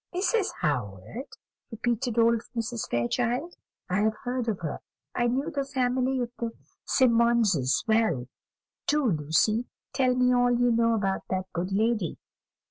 "Mrs. Howard!" repeated old Mrs. Fairchild, "I have heard of her; I knew the family of the Symondses well. Do, Lucy, tell me all you know about that good lady."